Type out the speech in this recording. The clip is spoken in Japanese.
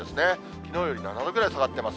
きのうより７度ぐらい下がってます。